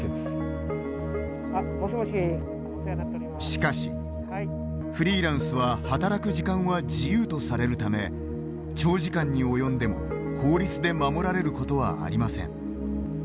しかしフリーランスは働く時間は自由とされるため長時間に及んでも法律で守られることはありません。